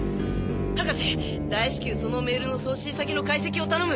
博士大至急そのメールの送信先の解析を頼む！